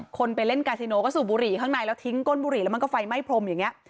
คนไปเล่นกาซิโนก็สูบบุหรี่ข้างในแล้วทิ้งก้นบุหรี่แล้วมันก็ไฟไหม้พรมอย่างนี้